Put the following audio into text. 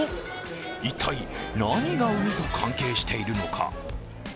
一体、何が海と関係しているのか。